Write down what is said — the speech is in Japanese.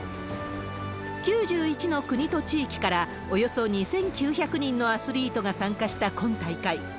９１の国と地域から、およそ２９００人のアスリートが参加した今大会。